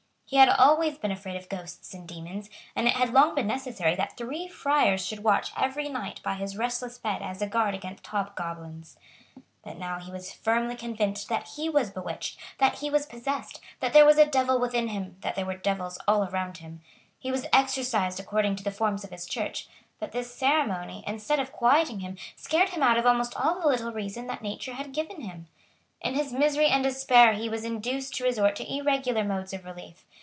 He had always been afraid of ghosts and demons; and it had long been necessary that three friars should watch every night by his restless bed as a guard against hobgoblins. But now he was firmly convinced that he was bewitched, that he was possessed, that there was a devil within him, that there were devils all around him. He was exorcised according to the forms of his Church; but this ceremony, instead of quieting him, scared him out of almost all the little reason that nature had given him. In his misery and despair he was induced to resort to irregular modes of relief.